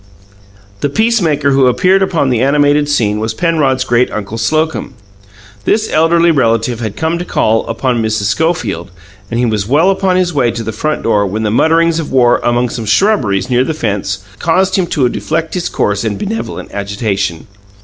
The peacemaker who appeared upon the animated scene was Penrod's great uncle Slocum. This elderly relative had come to call upon Mrs. Schofield, and he was well upon his way to the front door when the mutterings of war among some shrubberies near the fence caused him to deflect his course in benevolent agitation.